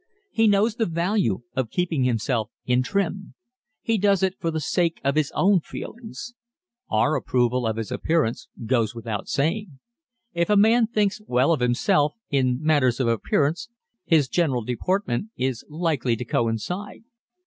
He knows the value of keeping himself in trim. He does it for the sake of his own feelings. Our approval of his appearance goes without saying. If a man thinks well of himself in matters of appearance his general deportment is likely to coincide.